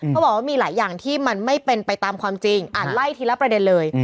เขาบอกว่ามีหลายอย่างที่มันไม่เป็นไปตามความจริงอ่านไล่ทีละประเด็นเลย